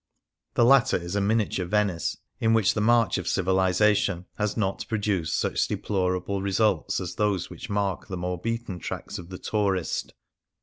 The latter is a miniature Venice, in which the march of civilization has not produced such deplorable results as those which mark the more beaten tracks of the tourist.